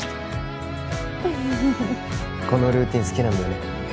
このルーティン好きなんだよね